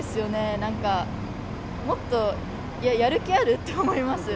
なんか、もっと、やる気ある？って思います。